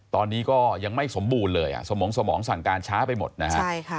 ตอนนี้ก็ยังไม่สมบูรณ์เลยสมองสมองสั่งการช้าไปหมดนะฮะ